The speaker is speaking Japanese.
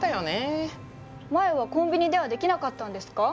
前はコンビニではできなかったんですか？